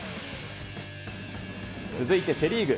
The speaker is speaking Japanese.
続いてセ・リーグ。